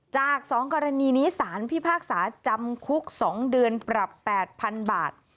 จาก๒กรณีนี้สารพิพากษาจำคุก๒เดือนปรับ๘๐๐๐บาท